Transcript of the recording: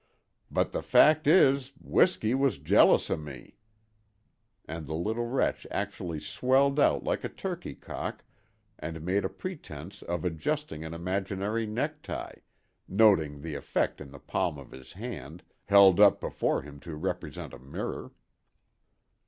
But the fact is, W'isky was jealous o' me"—and the little wretch actually swelled out like a turkeycock and made a pretense of adjusting an imaginary neck tie, noting the effect in the palm of his hand, held up before him to represent a mirror.